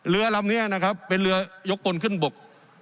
เรือลำนี้นะครับเป็นเรือยกกลขึ้นบก